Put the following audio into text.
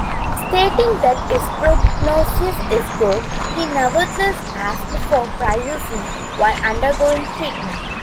Stating that his prognosis is good, he nevertheless asked for privacy while undergoing treatment.